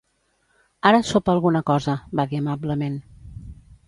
"Ara sopa alguna cosa", va dir amablement.